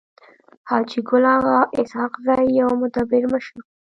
حاجي ګل اغا اسحق زی يو مدبر مشر وو.